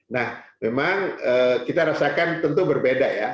nah memang kita rasakan tentu berbeda ya